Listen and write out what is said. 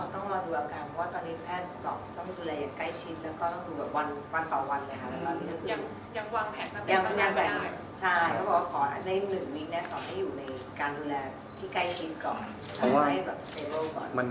ต้องการอยู่ในการดูแลที่ใกล้พิษก่อน